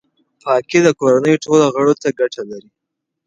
پاکي د کورنۍ ټولو غړو ته ګټه لري.